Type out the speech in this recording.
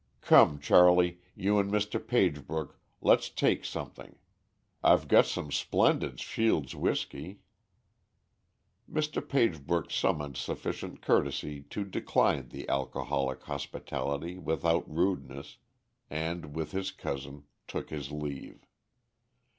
Come, Charley, you and Mr. Pagebrook, let's take something. I've got some splendid Shield's whisky." Mr. Pagebrook summoned sufficient courtesy to decline the alcoholic hospitality without rudeness, and, with his cousin, took his leave.